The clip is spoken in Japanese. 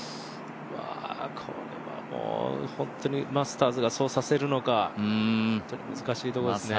これはマスターズがそうさせるのか、本当に難しいところですね。